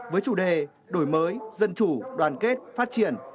với chủ đề đổi mới dân chủ đoàn kết phát triển